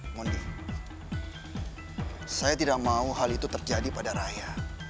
mondi saya tidak mau hal itu terjadi pada raya